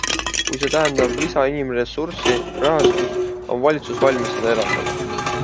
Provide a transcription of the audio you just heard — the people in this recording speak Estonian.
Kui see tähendab lisa inimressurssi, rahastust, on valitsus valmis seda eraldama.